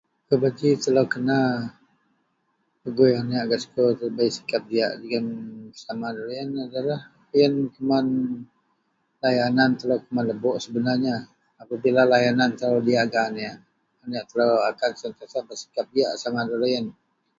Kubeji telou kena pegui aneak gak sekul bei sikap diyak jegem sesama loyen adalah yen keman layanan telou kuman lebok sebenarnya. Apabila layanan telou diyak gak aneak, aneak telou akan sentiasa bersikap diyak sesama deloyen